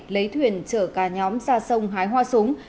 lấy thuyền chở cả nhóm ra sông hái hoa súng